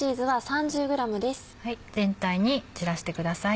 全体に散らしてください。